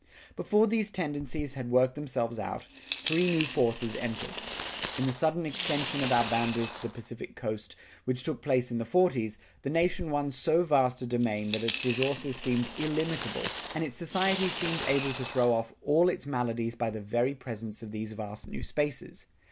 Before these tendencies had worked themselves out, three new forces entered. In the sudden extension of our boundaries to the Pacific Coast, which took place in the forties, the nation won so vast a domain that its resources seemed illimitable and its society seemed able to throw off all its maladies by the very presence of these vast new spaces.